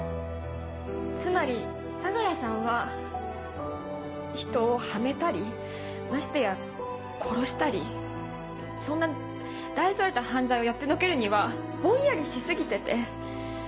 つまり相良さんは人をはめたりましてや殺したりそんな大それた犯罪をやってのけるにはぼんやりし過ぎてて。